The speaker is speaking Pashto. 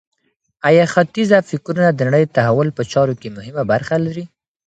آیا ختیځه فکرونه د نړۍ د تحول په چارو کي مهمه برخه لري؟